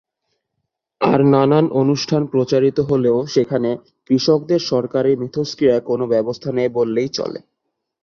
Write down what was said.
আর নানান অনুষ্ঠান প্রচারিত হলেও সেখানে কৃষকদের সরাসরি মিথস্ক্রিয়ার কোনো ব্যবস্থা নেই বললেই চলে।